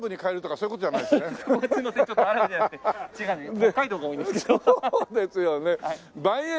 そうですね。